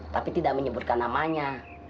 tapi tidak menyebutkan namanya